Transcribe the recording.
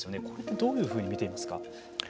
これはどういうふうに見ていますか。